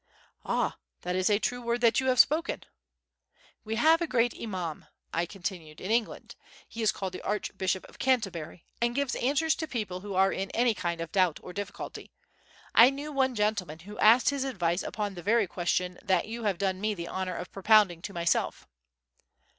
"Ah! that is a true word that you have spoken." "We have a great Imaum," I continued, "in England; he is called the Archbishop of Canterbury and gives answers to people who are in any kind of doubt or difficulty. I knew one gentleman who asked his advice upon the very question that you have done me the honour of propounding to myself."